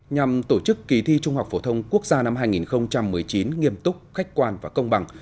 nhằm tổ chức kỳ thi trung học phổ thông quốc gia năm hai nghìn một mươi chín nghiêm túc khách quan và công bằng